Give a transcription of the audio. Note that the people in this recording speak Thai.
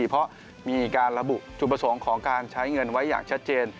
เพราะมีการระบุจุดประสงค์ของการใช้เงินไว้อย่างชัดเจน